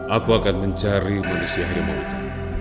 aku akan mencari manusia harimau itu